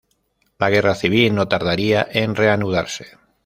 La guerra civil no tardaría en reanudarse.